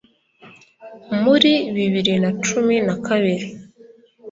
muri bibiri nacumi nakabiri